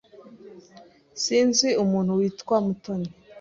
Sinzi umuntu witwa Mutoni.